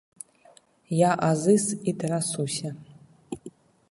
Я азыз і трасуся.